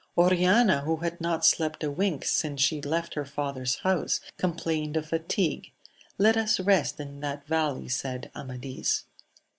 Oriana, who had not slept a wink since she left her father's house, complained of fatigue : let us rest in that valley, said Amadis.